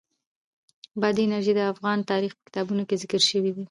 بادي انرژي د افغان تاریخ په کتابونو کې ذکر شوی دي.